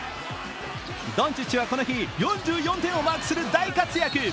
ドンチッチはこの日、４４点をマークする大活躍。